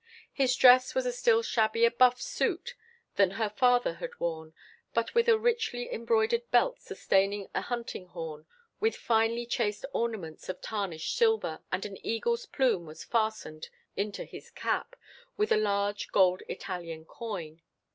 His dress was a still shabbier buff suit than her father had worn, but with a richly embroidered belt sustaining a hunting horn with finely chased ornaments of tarnished silver, and an eagle's plume was fastened into his cap with a large gold Italian coin.